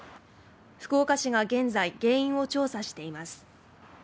福岡市が現在原因を調査しています